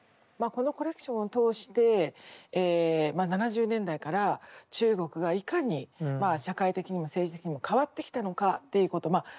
まあこのコレクションを通して７０年代から中国がいかにまあ社会的にも政治的にも変わってきたのかっていうこと